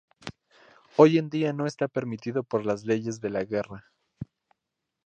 Hoy en día no está permitido por las leyes de la guerra.